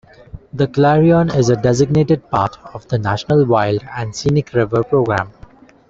The Clarion is a designated part of the National Wild and Scenic River program.